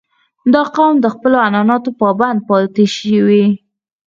• دا قوم د خپلو عنعناتو پابند پاتې شوی.